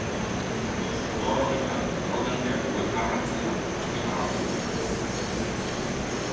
Alor honetan borondateak duen garrantzia azpimarratuko du.